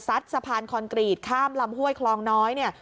ซัดสะพานคองคลอนกรีทข้ามลำห้วยคลองน้อย